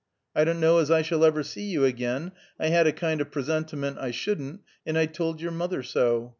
I don't know as I shall ever see you again; I had a kind of presentiment I shouldn't, and I told your mother so.